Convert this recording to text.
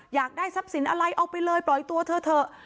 อยากได้ทรัพย์สินอะไรเอาไปเลยปล่อยตัวเธอเถอะ